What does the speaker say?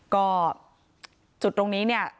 ก็จุดตรงนี้เนี่ย